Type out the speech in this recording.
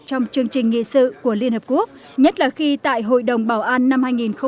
trong chương trình nghị sự của liên hợp quốc nhất là khi tại hội đồng bảo an năm hai nghìn hai mươi